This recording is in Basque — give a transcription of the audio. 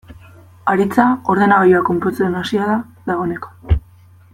Aritza ordenagailua konpontzen hasia da dagoeneko.